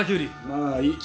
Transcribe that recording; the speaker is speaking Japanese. まあいい。